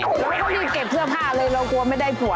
โอ้โหเขารีบเก็บเสื้อผ้าเลยเรากลัวไม่ได้ผัว